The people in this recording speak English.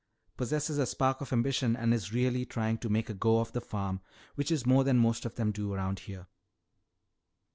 Possesses a spark of ambition and is really trying to make a go of the farm, which is more than most of them do around here.